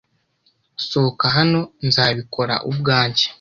Sohoka hano! Nzabikora ubwanjye.